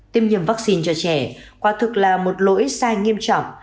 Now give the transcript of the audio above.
tiêm nhầm vaccine cho trẻ quả thực là một lỗi sai nghiêm trọng